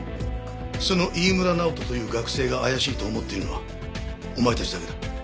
その飯村直人という学生が怪しいと思っているのはお前たちだけだ。